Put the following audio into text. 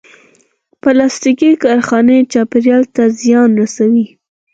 پلاستيکي کارخانې چاپېریال ته زیان رسوي.